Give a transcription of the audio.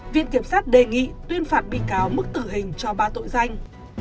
viện kiểm sát đề nghị tuyên phạt bị cáo mức tử hình cho ba tội danh